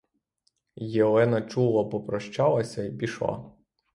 Єлена чуло попрощалася й пішла.